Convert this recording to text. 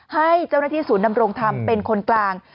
ให้เจ้าหน้าที่ศูนย์ดำรงธรรมเป็นคนกลาง